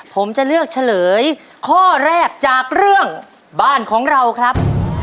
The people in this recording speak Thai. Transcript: ผมจะเลือกเฉลยข้อแรกจากเรื่องบ้านของเราครับ